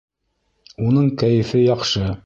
Уның кәйефе яҡшы